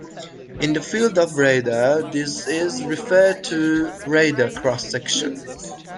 In the field of Radar this is referred to Radar Cross Section.